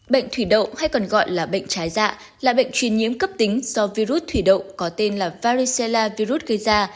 bệnh thủy đội hay còn gọi là bệnh trái dạ là bệnh truy nhiễm cấp tính do virus thủy đội có tên là varicella virus gây ra